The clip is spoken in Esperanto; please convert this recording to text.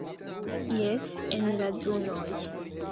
Jes, en la dunoj!